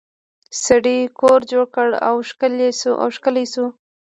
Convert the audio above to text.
سړي کور جوړ کړ او ښکلی شو.